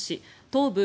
東部